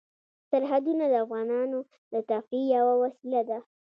سرحدونه د افغانانو د تفریح یوه وسیله ده.